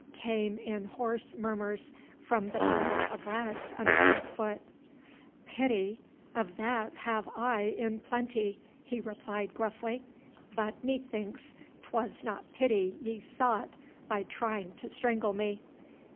came in hoarse murmurs from the bundle of rags under his foot. "Pity? Of that have I in plenty," he replied gruffly. "But methinks 'twas not pity ye sought by trying to strangle me."